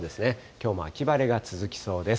きょうも秋晴れが続きそうです。